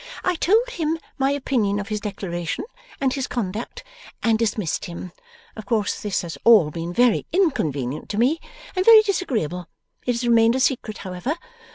I told him my opinion of his declaration and his conduct, and dismissed him. Of course this has all been very inconvenient to me, and very disagreeable. It has remained a secret, however.